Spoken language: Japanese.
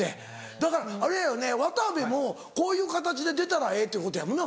だから渡部もこういう形で出たらええっていうことやもんな。